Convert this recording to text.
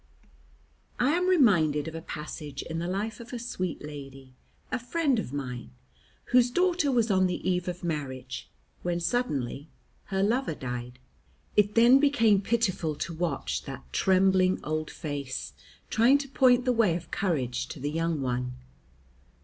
I am reminded of a passage in the life of a sweet lady, a friend of mine, whose daughter was on the eve of marriage, when suddenly her lover died. It then became pitiful to watch that trembling old face trying to point the way of courage to the young one.